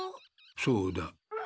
そうだ。